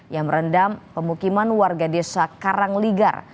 yang merendam pemukiman warga desa karangligar